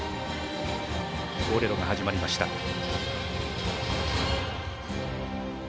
「ボレロ」が始まりました。